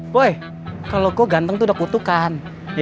woy kalau kok ganteng tuh udah kutukan